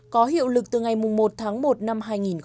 có hiệu lực từ ngày một tháng một năm hai nghìn hai mươi